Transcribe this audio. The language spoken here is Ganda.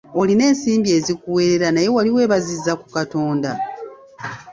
Olina ensimbi ezikuweerera naye wali weebazizza ku Katonda?